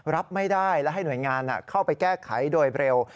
รับไม่ได้และให้หน่วยงานเข้าไปแก้ไขโดยเร็ว